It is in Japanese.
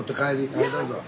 はいどうぞ。